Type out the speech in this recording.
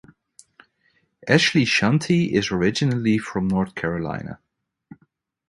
Ashleigh Shanti is originally from North Carolina.